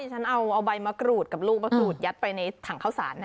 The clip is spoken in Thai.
ฉันเอาใบมะกรูดกับลูกมะกรูดยัดไปในถังข้าวสารนะ